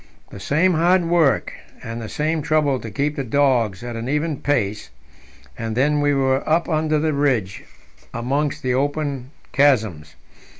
The same hard work, and the same trouble to keep the dogs at an even pace, and then we were up under the ridge amongst the open chasms.